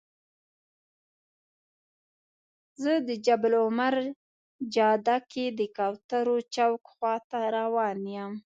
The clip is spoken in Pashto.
زه د جبل العمر جاده کې د کوترو چوک خواته روان یم.